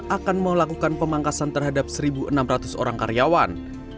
akan melakukan pemangkasan terhadap satu enam ratus orang karyawan